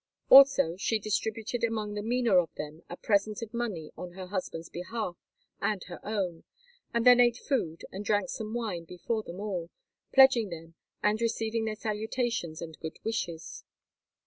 Also, she distributed among the meaner of them a present of money on her husband's behalf and her own, and then ate food and drank some wine before them all, pledging them, and receiving their salutations and good wishes.